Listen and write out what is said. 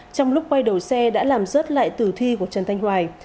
trong lúc quay đầu xe đã làm rớt lại tử thi của trần thanh hoài